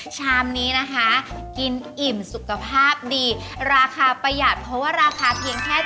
ชามนี้นะคะกินอิ่มสุขภาพดีราคาประหยัดเพราะว่าราคาเพียงแค่